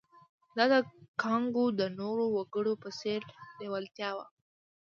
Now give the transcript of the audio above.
دا د کانګو د نورو وګړو په څېر لېوالتیا وه